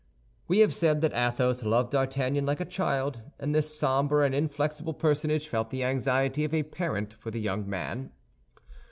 We have said that Athos loved D'Artagnan like a child, and this somber and inflexible personage felt the anxiety of a parent for the young man.